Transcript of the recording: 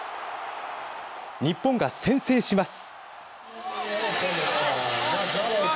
日本が先制します。